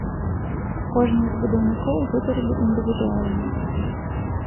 З кожным з будаўнікоў гутарылі індывідуальна.